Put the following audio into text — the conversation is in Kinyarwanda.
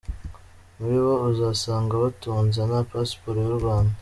Muri bo uzasanga batunze na pasiporo y’u Rwanda.